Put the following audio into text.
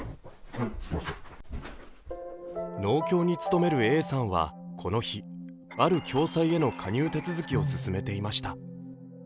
農協に勤めるＡさんはこの日、ある共済への加入手続きを進めていました。